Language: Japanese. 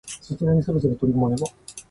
卒論にそろそろ取り組まなければ